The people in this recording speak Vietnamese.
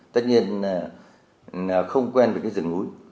tất nhiên là không quen với cái rừng núi